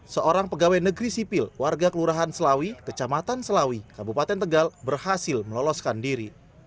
seorang pegawai negeri sipil warga kelurahan selawi kecamatan selawi kabupaten tegal berhasil meloloskan diri